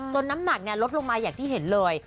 น้ำหนักลดลงมาอย่างที่เห็นเลย